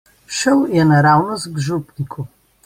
Šel je naravnost k župniku.